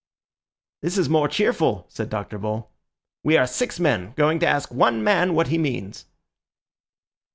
"This is more cheerful," said Dr. Bull; "we are six men going to ask one man what he means."